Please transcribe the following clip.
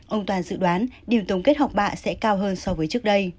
ông toàn dự đoán điểm tổng kết học bạ sẽ cao hơn so với trước đây